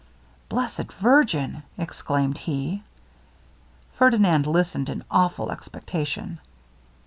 'Blessed virgin!' exclaimed he: Ferdinand listened in awful expectation.